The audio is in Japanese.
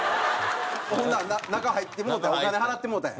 ほんなら中入ってもうてお金払ってもうたんや。